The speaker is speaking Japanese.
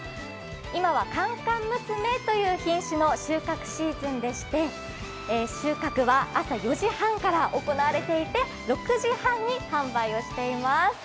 今は甘々娘という品種も収穫シーズンでして収穫は朝４時半から行われていて６時半に販売をしています。